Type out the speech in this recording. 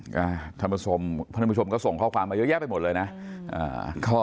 งั้นสมคุณผู้ชมก็ส่งข้อความมาเยอะแยะไปหมดเลยนะข้อ